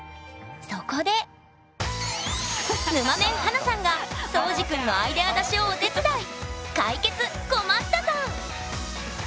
そこでぬまメン華さんがそうじくんのアイデア出しをお手伝い！